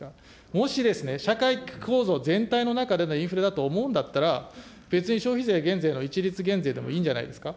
もしですね、社会構造全体の中でのインフレだと思うんだったら、別に、消費税減税の一律減税でもいいんじゃないですか。